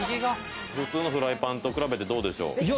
普通のフライパンと比べてどうでしょう？